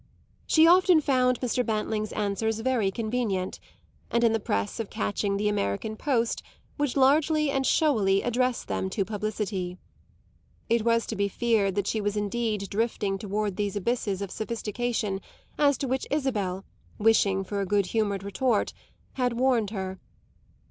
She often found Mr. Bantling's answers very convenient, and in the press of catching the American post would largely and showily address them to publicity. It was to be feared that she was indeed drifting toward those abysses of sophistication as to which Isabel, wishing for a good humoured retort, had warned her.